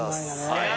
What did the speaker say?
はい